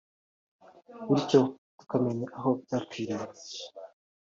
bityo tukamenya aho byapfiriye